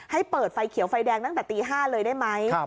ให้เปิดไฟเขียวไฟแดงตั้งแต่ตี๕เลยได้ไหม